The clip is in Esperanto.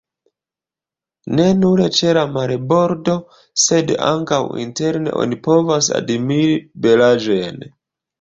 Ne nur ĉe la marbordo, sed ankaŭ interne, oni povas admiri belaĵojn.